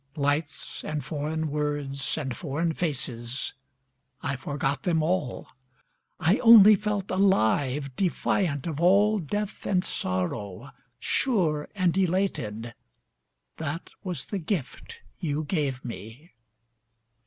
Lights and foreign words and foreign faces, I forgot them all; I only felt alive, defiant of all death and sorrow, Sure and elated. That was the gift you gave me.